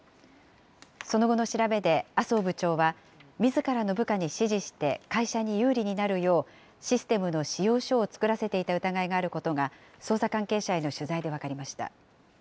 その後の調べで麻生部長は、みずからの部下に指示して会社に有利になるよう、システムの仕様書を作らせていた疑いがあることが、捜査関係者への取材で分かりました。